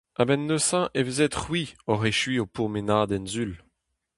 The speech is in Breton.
A-benn neuze e vezit c'hwi oc'h echuiñ ho pourmenadenn Sul.